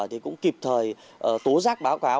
thì cũng kịp thời tố rác báo cáo